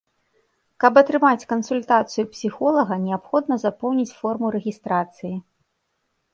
Каб атрымаць кансультацыю псіхолага, неабходна запоўніць форму рэгістрацыі.